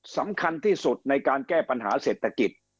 สำคัญที่สุดในการแก้ปัญหาเศรษฐกิจ